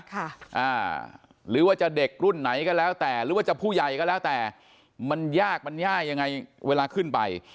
ค่ะอ่าหรือว่าจะเด็กรุ่นไหนก็แล้วแต่หรือว่าจะผู้ใหญ่ก็แล้วแต่มันยากมันแย่ยังไงเวลาขึ้นไป